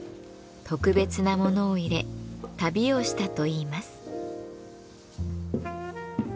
特別なものを入れ旅をしたといいます。